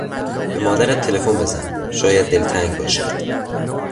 به مادرت تلفن بزن; شاید دلتنگ باشد.